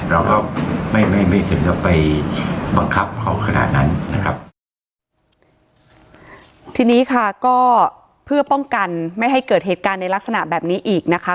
เราก็ไม่ไม่ไม่ถึงจะไปบังคับเขาขนาดนั้นนะครับทีนี้ค่ะก็เพื่อป้องกันไม่ให้เกิดเหตุการณ์ในลักษณะแบบนี้อีกนะคะ